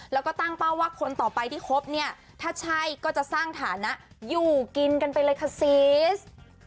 แล้วก็ตั้งเป้าว่าคนต่อไปที่คบเนี่ยถ้าใช่ก็จะสร้างฐานะอยู่กินกันไปเลยค่ะซีส